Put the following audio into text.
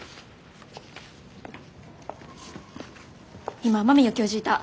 今雨宮教授いた。